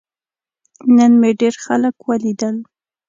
نن مې ډیر خلک ولیدل.